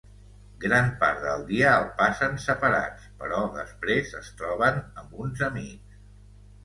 Gran part del dia el passen separats, però després es troben amb uns amics.